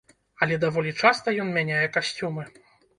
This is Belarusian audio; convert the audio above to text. Але даволі часта ён мяняе касцюмы.